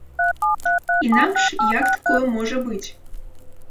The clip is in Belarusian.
Інакш, як такое можа быць?